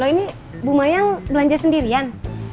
ini bu mayang belanja sendirian